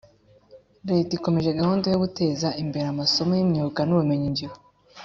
Leta ikomeje gahunda yo guteza imbere amasomo y’imyuga n’ubumenyingiro